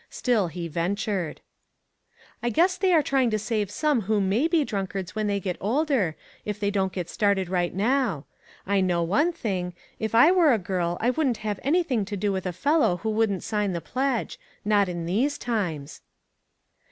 Still he ventured. '* I guess they are trying to save some who may be drunkards when they get older, if they don't get started right now. I know one thing ; if I were a girl, I wouldn't 448 ONE COMMONPLACE DAY. have anything to do with a fellow who wouldn't sign the pledge. Not in these times."